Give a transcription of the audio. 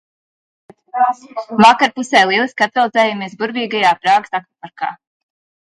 Vakarpusē lieliski atveldzējamies burvīgajā Prāgas akvaparkā.